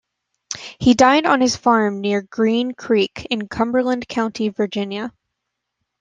He died on his farm near Green Creek in Cumberland County, Virginia.